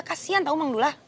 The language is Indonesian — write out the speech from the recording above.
kasian tau mang dula